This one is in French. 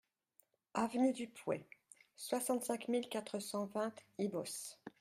Avenue du Pouey, soixante-cinq mille quatre cent vingt Ibos